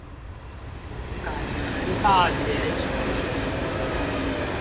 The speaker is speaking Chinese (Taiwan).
感人大結局